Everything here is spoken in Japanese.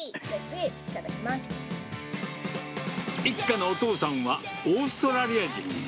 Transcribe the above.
一家のお父さんは、オーストラリア人。